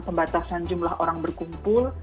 pembatasan jumlah orang berkumpul